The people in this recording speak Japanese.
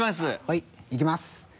はいいきます。